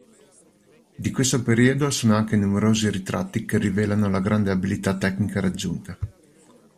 Di questo periodo sono anche numerosi ritratti che rivelano la grande abilità tecnica raggiunta.